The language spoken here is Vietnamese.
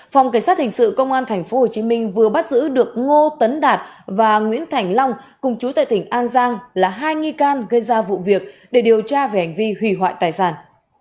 phòng cảnh sát hình sự công an tp hcm vừa bắt giữ được ngô tấn đạt và nguyễn thành long cùng chú tại tỉnh an giang là hai nghi can gây ra vụ việc để điều tra về hành vi hủy hoại tài sản